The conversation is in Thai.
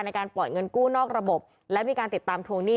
ในการปล่อยเงินกู้นอกระบบและมีการติดตามทวงหนี้